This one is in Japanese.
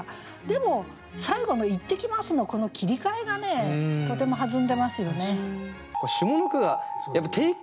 でも最後の「いってきます」のこの切り替えがとても弾んでますよね。